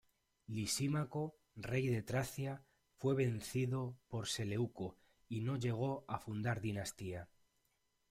Lisímaco, rey de Tracia, fue vencido por Seleuco y no llegó a fundar dinastía.